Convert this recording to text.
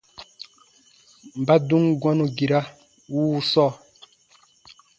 Ba dum gɔ̃nu gira wuu sɔɔ.